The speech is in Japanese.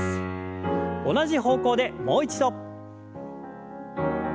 同じ方向でもう一度。